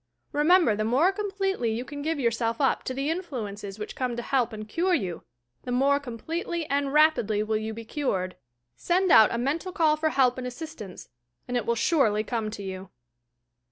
Remember the more completely you can give yourself up to the influences which come to help and cure you, the more completely and rapidly will you be cured. Send out a mental call for help and assistance, and it will surely come to you